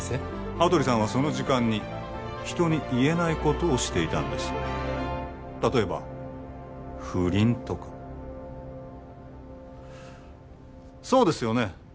羽鳥さんはその時間に人に言えないことをしていたんです例えば不倫とかそうですよね？